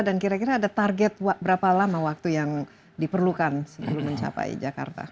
dan kira kira ada target berapa lama waktu yang diperlukan sebelum mencapai jakarta